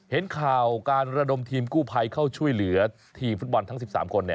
เห็นข่าวการระดมทีมกู้ภัยเข้าช่วยเหลือทีมฟุตบอลทั้ง๑๓คน